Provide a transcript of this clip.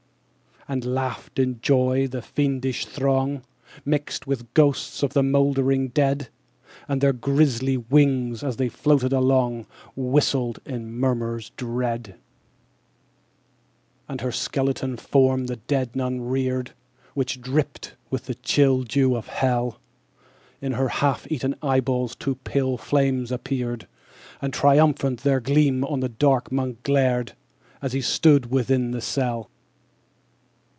15. And laughed, in joy, the fiendish throng, Mixed with ghosts of the mouldering dead: And their grisly wings, as they floated along, Whistled in murmurs dread. _85 16. And her skeleton form the dead Nun reared Which dripped with the chill dew of hell. In her half eaten eyeballs two pale flames appeared, And triumphant their gleam on the dark Monk glared, As he stood within the cell.